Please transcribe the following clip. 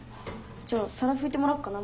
じゃあ皿拭いてもらおっかな。